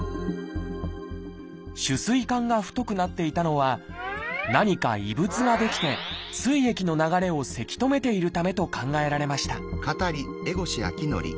主膵管が太くなっていたのは何か異物が出来て膵液の流れをせき止めているためと考えられました